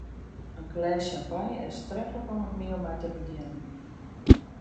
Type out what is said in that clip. In glês sjampanje is treflik om it miel mei te begjinnen.